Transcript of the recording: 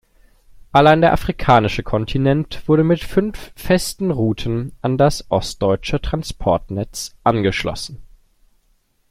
Allein der afrikanische Kontinent wurde mit fünf festen Routen an das ostdeutsche Transportnetz angeschlossen.